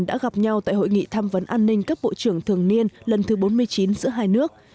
đã gặp nhau tại hội nghị tham vấn an ninh cấp bộ trưởng thường niên lần thứ bốn mươi chín giữa hai nước